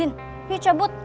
din yuk cabut